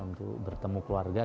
untuk bertemu keluarga